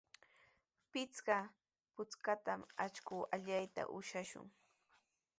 Pichqa puntrawtami akshu allayta ushashun.